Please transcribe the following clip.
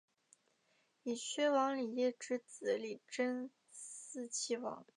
以薛王李业之子李珍嗣岐王。